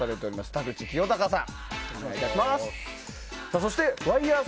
田口清隆さん。